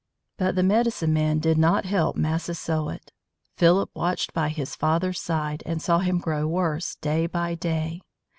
But the medicine man did not help Massasoit. Philip watched by his father's side and saw him grow worse day by day.